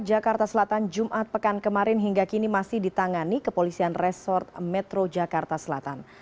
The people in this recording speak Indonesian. jakarta selatan jumat pekan kemarin hingga kini masih ditangani kepolisian resort metro jakarta selatan